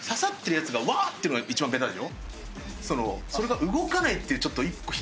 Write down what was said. それが動かないっていうちょっと１個ひねってるのが。